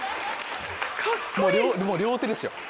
もう両手ですよ。